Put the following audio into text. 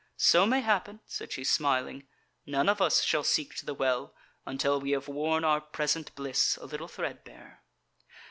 So mayhappen," said she, smiling, "none of us shall seek to the Well until we have worn our present bliss a little threadbare."